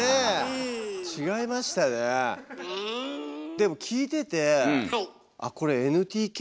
でも聞いててあっこれＮＴＫ！